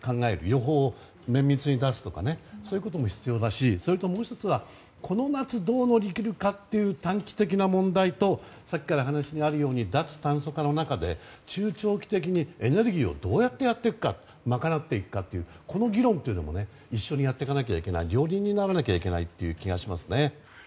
予報を綿密に出すとかそういうことも必要だしそれと、もう１つはこの夏をどう乗り切るかという短期的な問題とさっきから話にあるように脱炭素化の流れの中で中長期的にエネルギーをどうやって賄っていくかというこの議論も一緒にやっていかなきゃいけない両輪にならなきゃいけないという気がしますね。